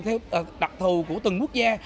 theo đặc thù của từng quốc gia